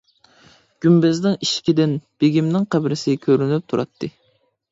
گۈمبەزنىڭ ئىشىكىدىن بېگىمنىڭ قەبرىسى كۆرۈنۈپ تۇراتتى.